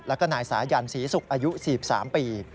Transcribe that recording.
แล้วก็นายสายันศรีศุกร์อายุ๔๓ปี